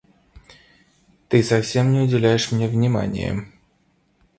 Ты совсем не уделяешь мне внимания!